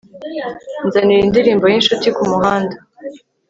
nzanira indirimbo y'inshuti kumuhanda